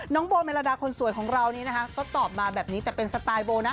โบเมลาดาคนสวยของเรานี้นะคะก็ตอบมาแบบนี้แต่เป็นสไตล์โบนะ